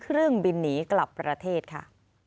เครื่องบินหนีกลับประเทศค่ะ